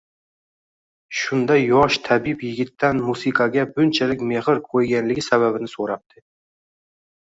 Shunda yosh tabib yigitdan musiqaga bunchalik mehr qo‘yganligi sababini so‘rabdi